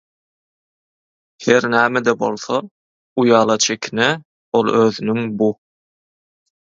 Her näme-de bolsa, uýala-çekine ol özüniň bu